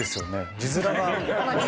字面が。